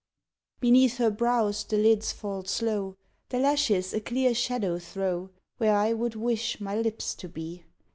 _ Beneath her brows the lids fall slow. The lashes a clear shadow throw Where I would wish my lips to be.